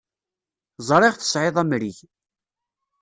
Ẓriɣ tesɛiḍ amrig.